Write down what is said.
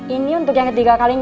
ini untuk yang apa kali